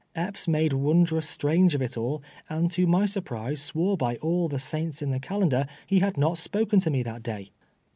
Epps made wondrous strange of it all, and to my surprise, swore by all the saints in the calendar he had not spoken to me that day.